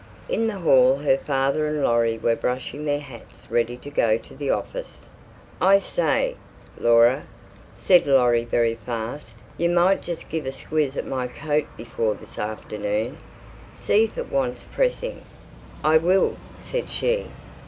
In the hall her father and Laurie were brushing their hats ready to go to the office. "I say, Laura," said Laurie very fast, "you might just give a squiz at my coat before this afternoon. See if it wants pressing." "I will," said she.